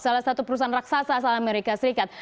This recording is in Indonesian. salah satu perusahaan raksasa asal amerika serikat